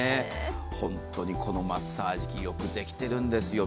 本当にこのマッサージ器よくできてるんですよ。